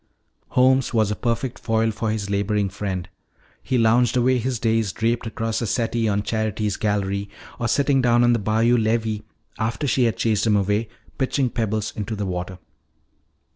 Holmes was a perfect foil for his laboring friend. He lounged away his days draped across the settee on Charity's gallery or sitting down on the bayou levee after she had chased him away pitching pebbles into the water.